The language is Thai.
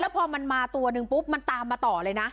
พอมันมาตัวนึงปุ๊บมันตามมาต่อเลยนะ